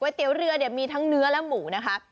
ไกวเตี๊ยวเรือนิกอาหารมีทั้งเนื้อและหมูนะคะ